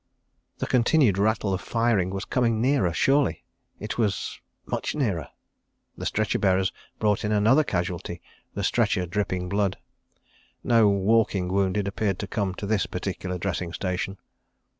... The continued rattle of firing was coming nearer, surely? It was—much nearer. The stretcher bearers brought in another casualty, the stretcher dripping blood. No "walking wounded" appeared to come to this particular dressing station.